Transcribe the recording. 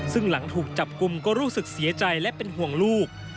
ซึ่งหลังถูกจับกลุ่มก็รู้สึกเสียใจและเป็นห่วงลูก